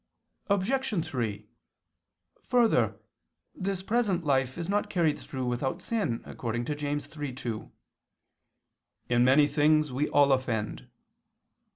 Obj. 3: Further, this present life is not carried through without sin, according to James 3:2, "In many things we all offend."